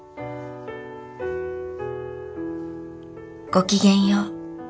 ごきげんよう。